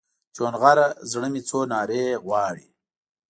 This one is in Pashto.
چونغره زړه مې څو نارې غواړي